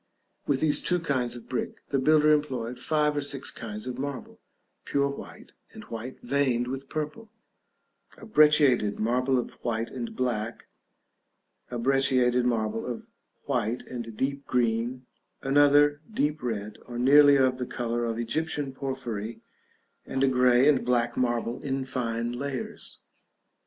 With these two kinds of brick, the builder employed five or six kinds of marble: pure white, and white veined with purple; a brecciated marble of white and black; a brecciated marble of white and deep green; another, deep red, or nearly of the color of Egyptian porphyry; and a grey and black marble, in fine layers.